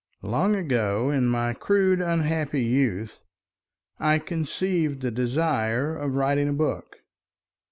Long ago in my crude unhappy youth, I conceived the desire of writing a book.